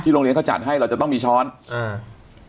โรงเรียนเขาจัดให้เราจะต้องมีช้อนอ่า